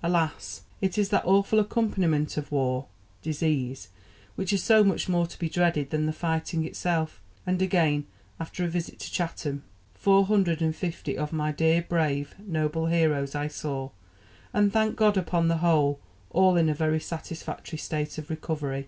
Alas! It is that awful accompaniment of war, disease, which is so much more to be dreaded than the fighting itself." And again, after a visit to Chatham: "Four hundred and fifty of my dear, brave, noble heroes I saw, and, thank God, upon the whole, all in a very satisfactory state of recovery.